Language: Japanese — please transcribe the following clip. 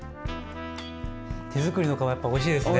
手づくりの皮やっぱおいしいですね。